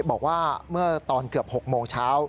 บอกว่าเมื่อตอนเกือบ๖โมงเช้า